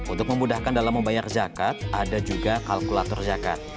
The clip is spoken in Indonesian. untuk memudahkan dalam membayar zakat ada juga kalkulator zakat